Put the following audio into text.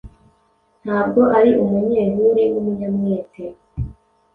Ntabwo ari umunyehuri wumunyamwete